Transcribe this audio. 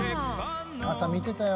朝見てたよ。